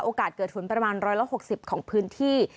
โอกาสเกิดขึ้นประมาณ๑๖๐ของพื้นที่